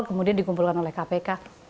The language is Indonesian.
kemudian dikumpulkan oleh kpk